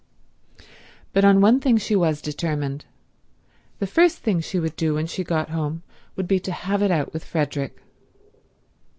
But on one thing she was determined: the first thing she would do when she got home would be to have it out with Frederick.